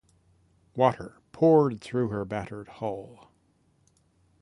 Water poured through her battered hull.